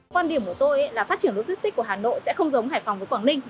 quan điểm của tôi là phát triển logistics của hà nội sẽ không giống hải phòng với quảng ninh